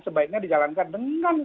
sebaiknya dijalankan dengan